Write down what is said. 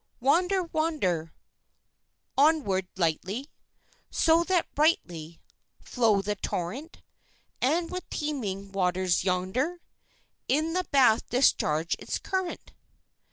"Wander, wander Onward lightly, So that rightly Flow the torrent, And with teeming waters yonder In the bath discharge its current!